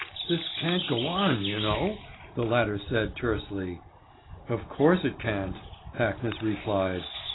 "This can't go on, you know," the latter said tersely. "Of course it can't," Hackness replied.